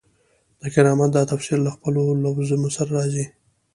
د کرامت دا تفسیر له خپلو لوازمو سره راځي.